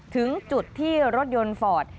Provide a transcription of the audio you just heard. ถึงจุดที่รถยนต์ฟอร์ด